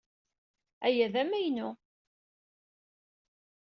Aya d amaynu.